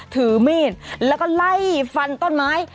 ถือมีดแล้วก็ไล่ฟันต้นไม้